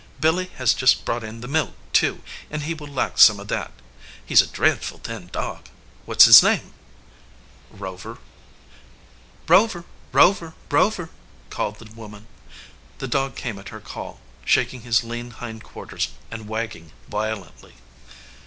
Billy has just brought in the milk, too, and he will like some of that. He s a dreadful thin dog. What s his name?" "Rover." "Rover, Rover, Rover," called the woman. The dog came at her call, shaking his lean hind quar ters and wagging violently.